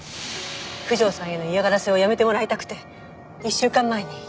九条さんへの嫌がらせをやめてもらいたくて１週間前に。